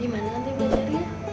gimana nanti belajar dia